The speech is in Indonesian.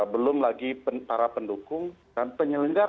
belum lagi para pendukung dan penyelenggara